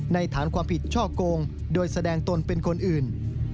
ฐานความผิดช่อกงโดยแสดงตนเป็นคนอื่น